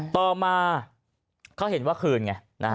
ต่อมาเขาเห็นว่าคืนไง